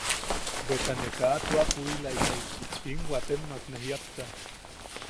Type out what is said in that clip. Bweta ne kaa tua puʼilaika im watemmak ne jiapsa.